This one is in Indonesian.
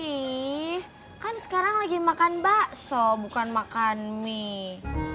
nih kan sekarang lagi makan bakso bukan makan mie